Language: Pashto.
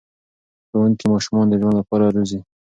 ښوونکي ماشومان د ژوند لپاره روزي.